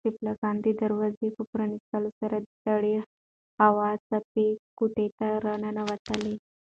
د بالکن د دروازې په پرانیستلو سره د سړې هوا څپې کوټې ته راننوتلې.